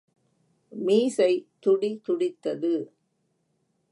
மீசை துடி துடித்தது.